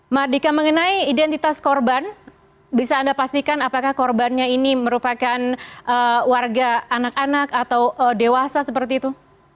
mardika mengenai identitas korban bisa anda pastikan apakah korbannya ini merupakan warga anak anak atau dewasa seperti itu